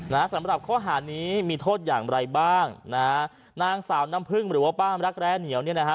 สำหรับข้อหานี้มีโทษอย่างไรบ้างนะฮะนางสาวน้ำพึ่งหรือว่าป้ามรักแร้เหนียวเนี่ยนะฮะ